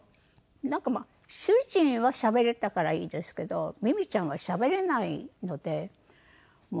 なんかまあ主人はしゃべれたからいいですけどミミちゃんはしゃべれないのでもうね。